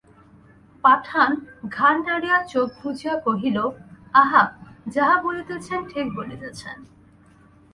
পাঠান ঘাড় নাড়িয়া চোখ বুজিয়া কহিল, আহা, যাহা বলিতেছেন, ঠিক বলিতেছেন।